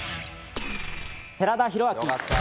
寺田寛明。